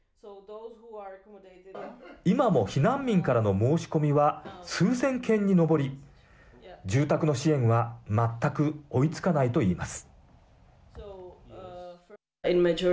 今も避難民からの申し込みは数千件に上り、住宅の支援が全く追いつかないと言います。